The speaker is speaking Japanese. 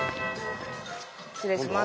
失礼します。